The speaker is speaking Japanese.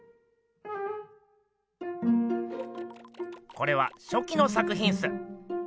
これはしょきの作品っす。